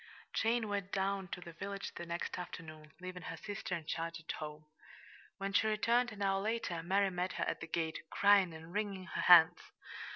Jane went down to the village the next afternoon, leaving her sister in charge at home. When she returned, an hour later, Mary met her at the gate, crying and wringing her hands.